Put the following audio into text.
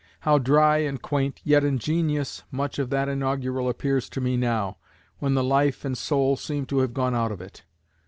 How dry and quaint, yet ingenious, much of that inaugural appears to me now, when the life and soul seem to have gone out of it!